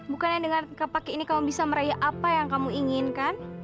bukannya dengan kampak ini kamu bisa meraih apa yang kamu inginkan